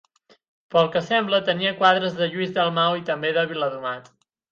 Pel que sembla, tenia quadres de Lluís Dalmau i també de Viladomat.